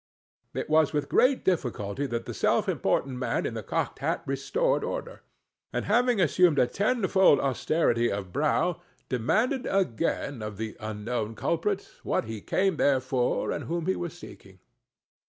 It was with great difficulty that the self important man in the cocked hat restored order; and, having assumed a tenfold austerity of brow, demanded again of the unknown culprit, what he came there for, and whom he was seeking?